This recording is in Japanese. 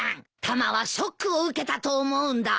タマはショックを受けたと思うんだ。